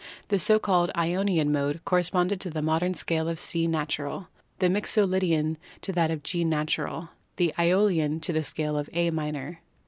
The so called Ionian Mode corresponded to the modern scale of C natural, the Mixo lydian to that of G natural, the iEolian to the scale of A minor.